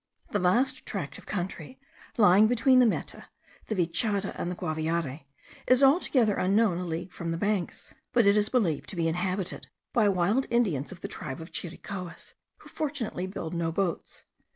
The vast tract of country lying between the Meta, the Vichada, and the Guaviare, is altogether unknown a league from the banks; but it is believed to be inhabited by wild Indians of the tribe of Chiricoas, who fortunately build no boats.